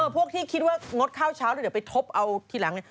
พวกที่คิดว่างดข้าวเช้าแล้วเดี๋ยวไปทบเอาทีหลัง